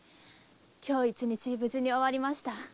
今日一日無事に終わりました。